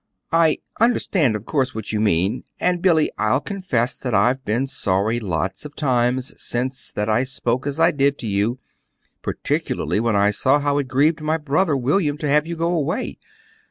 "I understand, of course, what you mean. And, Billy, I'll confess that I've been sorry lots of times, since, that I spoke as I did to you, particularly when I saw how it grieved my brother William to have you go away.